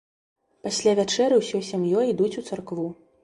Пасля вячэры ўсёй сям'ёй ідуць у царкву.